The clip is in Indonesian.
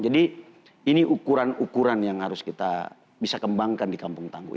jadi ini ukuran ukuran yang harus kita bisa kembangkan di kampung tangguh